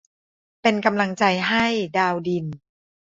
เป็นกำลังใจให้ ดาวดิน